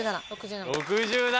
６７。